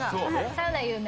サウナ有名。